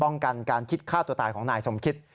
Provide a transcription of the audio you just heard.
ป้องกันการคิดฆ่าตัวตายของนายสมคิต